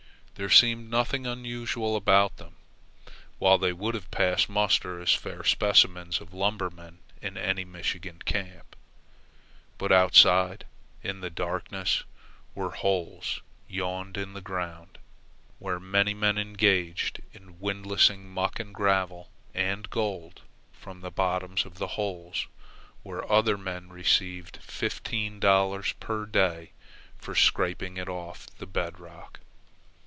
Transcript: There seemed nothing unusual about them, while they would have passed muster as fair specimens of lumbermen in any Michigan camp. But outside, in the darkness, where holes yawned in the ground, were many men engaged in windlassing muck and gravel and gold from the bottoms of the holes where other men received fifteen dollars per day for scraping it from off the bedrock.